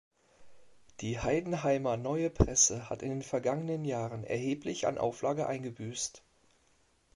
Die "Heidenheimer Neue Presse" hat in den vergangenen Jahren erheblich an Auflage eingebüßt.